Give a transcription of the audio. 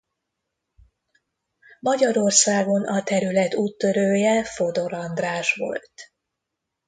Magyarországon a terület úttörője Fodor András volt.